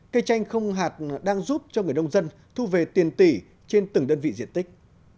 cây chanh không hạt đang giúp cho người nông dân thu về tiền tỷ trên từng đơn vị diện tích